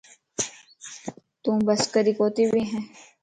تو بسڪري ڪوتي ٻين؟